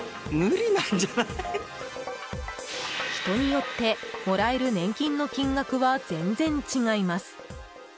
人によってもらえる年金の金額は全然違います。